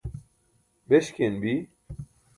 beśkiyan bi?